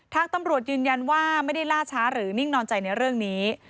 ทางตำรวจยืนยันว่าไม่ได้ล่าช้าหรือนิ่งนอนใจในเรื่องนี้